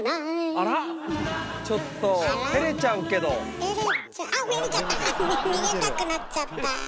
あっ逃げたくなっちゃった。